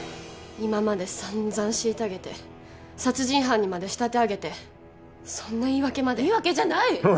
今まで散々虐げて殺人犯にまで仕立てあげてそんな言い訳まで言い訳じゃないッ